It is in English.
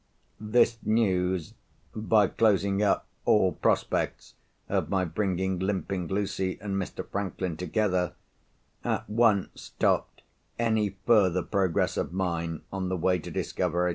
This news—by closing up all prospects of my bringing Limping Lucy and Mr. Franklin together—at once stopped any further progress of mine on the way to discovery.